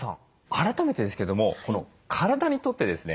改めてですけども体にとってですね